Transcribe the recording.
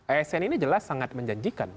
asn ini jelas sangat menjanjikan